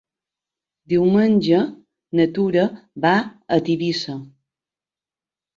Diumenge na Tura va a Tivissa.